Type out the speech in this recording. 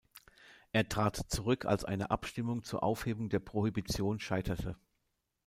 Er trat zurück, als eine Abstimmung zur Aufhebung der Prohibition scheiterte.